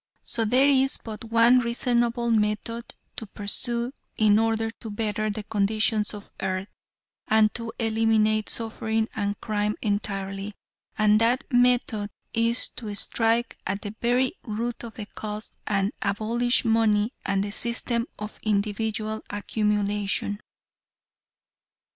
So there is but one reasonable method to pursue in order to better the conditions on earth, and to eliminate suffering and crime entirely, and that method is to strike at the very root of the cause, and abolish money and the system of individual accumulation.